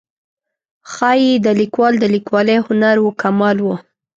ښایي د لیکوال د لیکوالۍ هنر و کمال و.